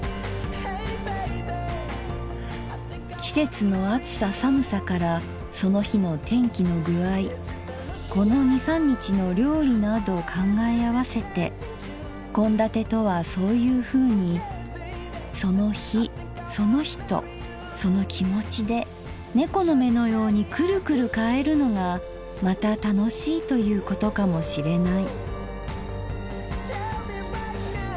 「季節の暑さ寒さからその日の天気の工合この二三日の料理など考え合わせて献立とはそういう風にその日その人その気持で猫の目のようにクルクル変えるのがまた楽しいということかも知れない」。